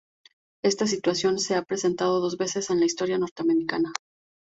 Esta situación se ha presentado dos veces en la historia norteamericana.